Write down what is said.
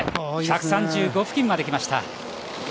１３５付近まで来ました。